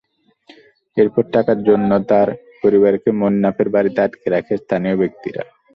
এরপর টাকার জন্য তাঁর পরিবারকে মোন্নাফের বাড়িতে আটকে রাখে স্থানীয় ব্যক্তিরা।